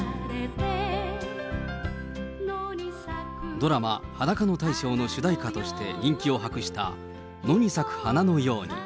ドラマ、裸の大将の主題歌として、人気を博した、野に咲く花のように。